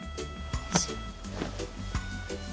よいしょ